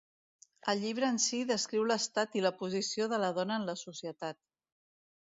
El llibre en si descriu l'estat i la posició de la dona en la societat.